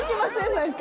何か。